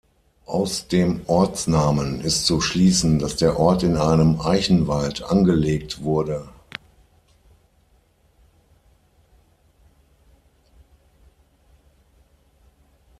Aus dem Ortsnamen ist zu schließen, dass der Ort in einem Eichenwald angelegt wurde.